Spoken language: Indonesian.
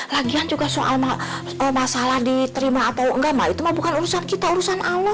lagian juga soal masalah diterima atau nggak itu bukan urusan kita urusan allah